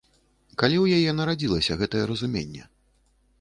Калі ў яе нарадзілася гэтае разуменне?